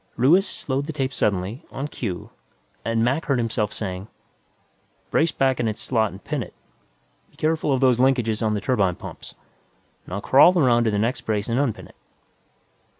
Ruiz slowed the tape suddenly, on cue, and Mac heard himself saying, "... Brace back in its slot and pin it. Be careful of those linkages on the turbine pumps. Now crawl around to the next brace and unpin it."